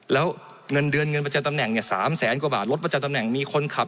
แล้วเงินเดือนเงินประจำตำแหน่ง๓แสนกว่าบาทรถประจำตำแหน่งมีคนขับ